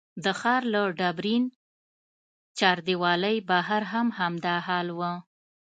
د ښار له ډبرین چاردیوالۍ بهر هم همدا حال و.